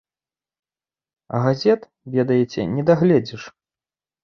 А газет, ведаеце, не дагледзіш.